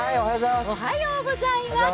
おはようございます。